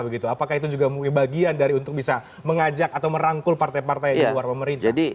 apakah itu juga bagian dari untuk bisa mengajak atau merangkul partai partai di luar pemerintah